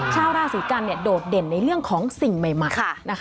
ชาวราศีกันโดดเด่นในเรื่องของสิ่งใหม่